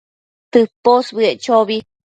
tëposbëec chobi